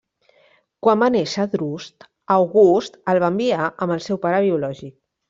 Quan va néixer Drus, August el va enviar amb el seu pare biològic.